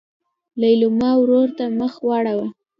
لېلما ورور ته مخ واړوه.